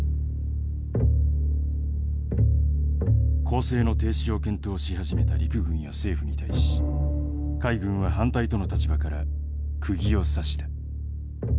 攻勢の停止を検討し始めた陸軍や政府に対し海軍は反対との立場からくぎを刺した。